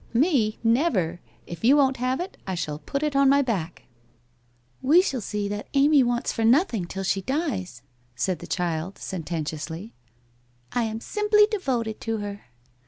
'Me! Never! If you won't have it, I shall put it on my back.' 14 WHITE ROSE OF WEARY LEAF ' We shall see that Amy wants for nothing till she dies/ said the child sententiously. ' I am simply de voted to her.